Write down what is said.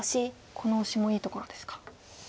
このオシもいいところですか。